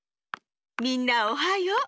みんなおはよう。